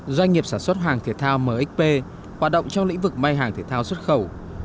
doanh nghiệp sản xuất hàng thể thao mxp hoạt động trong lĩnh vực may hàng thể thao xuất khẩu